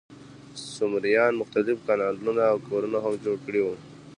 سومریانو مختلف کانالونه او کورونه هم جوړ کړي وو.